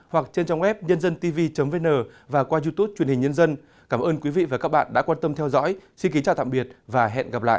hoặc trên trang web nhândântv vn và qua youtube truyền hình nhân dân cảm ơn quý vị và các bạn đã quan tâm theo dõi xin kính chào tạm biệt và hẹn gặp lại